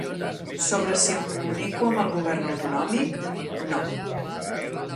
Sobre si em comunico amb el govern autonòmic, no.